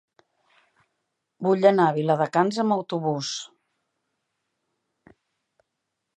Vull anar a Viladecans amb autobús.